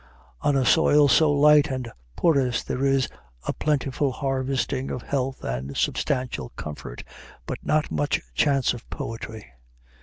On a soil so light and porous there is a plentiful harvesting of health and substantial comfort, but not much chance of poetry.